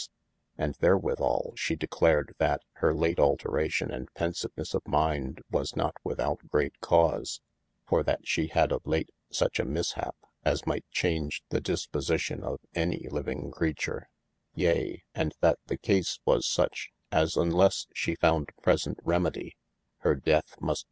es, and therwithall she declared that her late alteration and pensivenesse of minde was not without great cause, for that she had of late such a mishap, as might chaunge the disposition of any lyving creature : Yea, and that the case was such, as unlesse she found present remedy, hir death must 444 OF MASTER F.